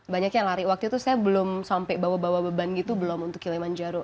banyaknya lari waktu itu saya belum sampai bawa bawa beban gitu belum untuk kilimanjaro